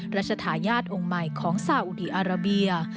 ราชทายาทองค์ใหม่ของสาอุดีอาราเบีย